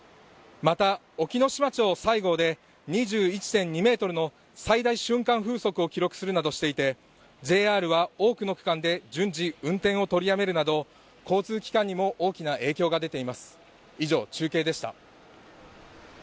また隠岐の島町西郷で２１．２メートルの最大瞬間風速を記録するなどしていてＪＲは多くの区間で順次運転を取りやめるなど交通機関にも大きな影響が出ています